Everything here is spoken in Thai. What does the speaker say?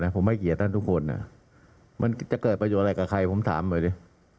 ผมให้เกียรติท่านทุกคนมันจะเกิดประโยชน์อะไรกับใครผมถามหน่อยดิ